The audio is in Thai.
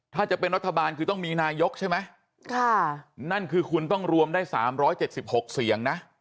ถ้าจะเป็นรัฐบาลคือต้องมีนายกใช่ไหมค่ะนั่นคือคุณต้องรวมได้๓๗๖เสียงนะ